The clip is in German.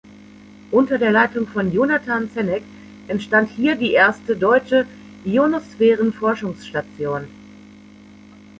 Unter der Leitung von Jonathan Zenneck entstand hier die erste deutsche Ionosphärenforschungs-Station.